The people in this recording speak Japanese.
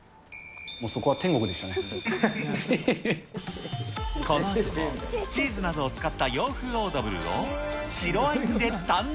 このあとはチーズなどを使った洋風オードブルを、白ワインで堪能。